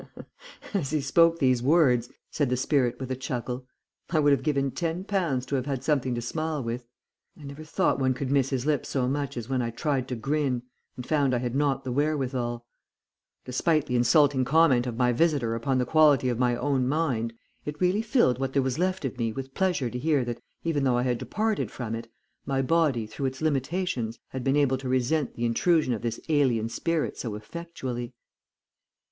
"As he spoke these words," said the spirit, with a chuckle, "I would have given ten pounds to have had something to smile with. I never thought one could miss his lips so much as when I tried to grin and found I had not the wherewithal. Despite the insulting comment of my visitor upon the quality of my own mind, it really filled what there was left of me with pleasure to hear that, even though I had departed from it, my body through its limitations had been able to resent the intrusion of this alien spirit so effectually.